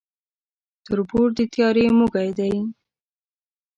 تر بور د تيارې موږى دى.